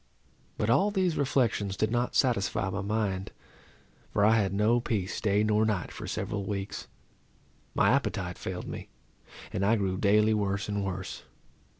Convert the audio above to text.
But all these reflections did not satisfy my mind, for I had no peace day nor night for several weeks. My appetite failed me, and I grew daily worse and worse.